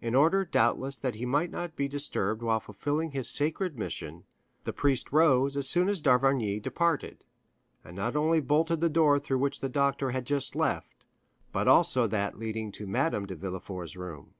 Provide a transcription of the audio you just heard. In order, doubtless, that he might not be disturbed while fulfilling his sacred mission, the priest rose as soon as d'Avrigny departed, and not only bolted the door through which the doctor had just left, but also that leading to Madame de Villefort's room.